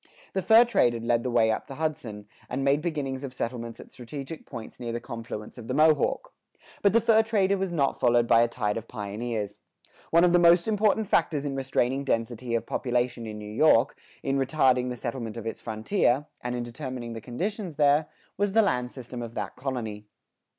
The fur trade had led the way up the Hudson, and made beginnings of settlements at strategic points near the confluence of the Mohawk. But the fur trader was not followed by a tide of pioneers. One of the most important factors in restraining density of population in New York, in retarding the settlement of its frontier, and in determining the conditions there, was the land system of that colony.